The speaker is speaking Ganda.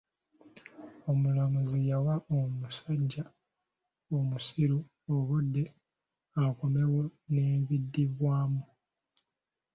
Omulamuzi yawa omusajja omusiru obudde akomewo n'ebidibwamu.